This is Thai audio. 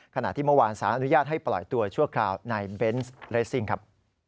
ขณะที่เมื่อวานสารอนุญาตให้ปล่อยตัวชั่วคราวในเบนส์เรสซิ่งครับ